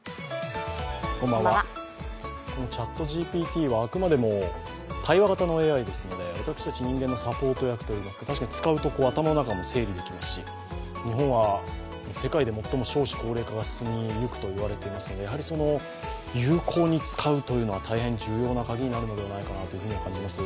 このＣｈａｔＧＰＴはあくまでも対話型のＡＩですので、私たち人間のサポート役といいますか、確かに使うと、頭の中の整理もできますし日本は世界で最も少子高齢化が進むと言われていますので、やはり有効に使うというのは大変重要なカギになるのではないかと感じます。